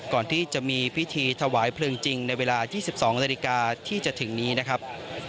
ก่อนที่จะมีพิธีถวายเพลิงจริงในเวลา๒๒นาฬิกาที่จะถึงนี้นะครับ